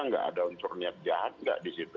tidak ada unsur niat jahat tidak di situ